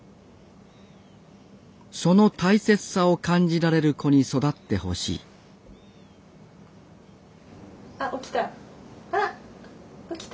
その大切さを感じられる子に育ってほしいあっ起きた。